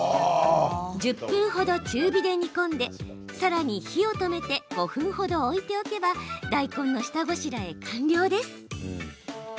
１０分ほど中火で煮込んでさらに火を止めて５分ほど置いておけば大根の下ごしらえ完了です。